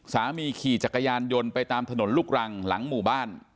ขี่จักรยานยนต์ไปตามถนนลูกรังหลังหมู่บ้าน